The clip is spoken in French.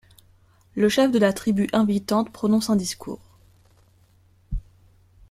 Le chef de la tribu invitante prononce un discours.